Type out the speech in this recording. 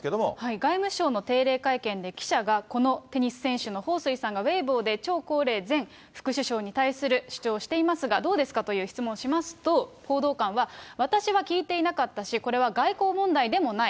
外務省の定例会見で記者がこのテニス選手の彭帥さんがウェイボーで張高麗前副首相に対する主張をしていますが、どうですか？という質問をしますと、報道官は、私は聞いていなかったし、これは外交問題でもない。